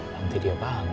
nanti dia bangun